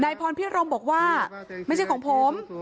พรพิรมบอกว่าไม่ใช่ของผม